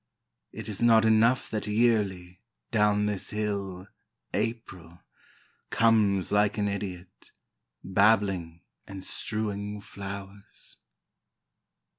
It is not enough that yearly, down this hill, April Comes like an idiot, babbling and strewing flowers.